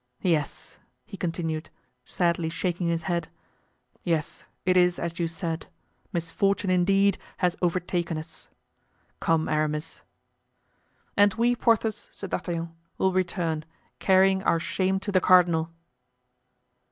Yes," he continued, sadly shaking his head, "Yes, it is as you said, misfortune, indeed, has overtaken us. Come, Aramis." "And we, Porthos," said D'Artagnan, "will return, carrying our shame to the cardinal."